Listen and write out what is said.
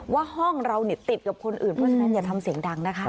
ว่าห้องเราติดกับคนอื่นเพราะฉะนั้นอย่าทำเสียงดังนะคะ